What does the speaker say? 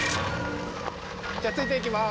じゃあついていきまーす